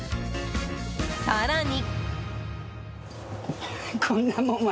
更に。